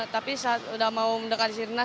tapi saat udah mau mendekati sirnas